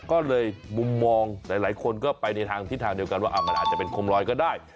ก็เลยมุมมองหลายคนก็ไปในทางทิศทางเดียวกันว่ามันอาจจะเป็นโคมลอยก็ได้